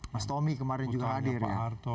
mas tomi kemarin juga hadir